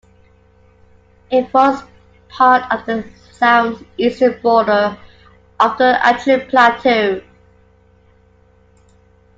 It forms part of the southeastern border of the Antrim Plateau.